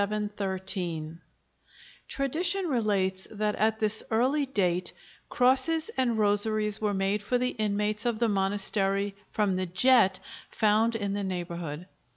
Tradition relates that at this early date crosses and rosaries were made for the inmates of the monastery from the jet found in the neighborhood.